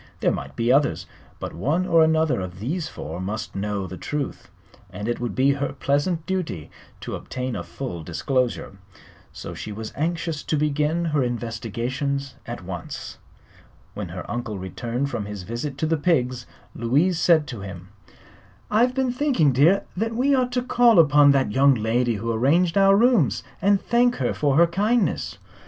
There might be others, but one or another of these four must know the truth, and it would be her pleasant duty to obtain a full disclosure. So she was anxious to begin her investigations at once. When her uncle returned from his visit to the pigs Louise said to him: "I've been thinking, dear, that we ought to call upon that young lady who arranged our rooms, and thank her for her kindness."